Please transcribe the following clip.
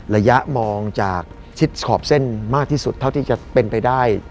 ระยะมองจากชิดขอบเส้นมากที่สุดเท่าที่จะเป็นไปได้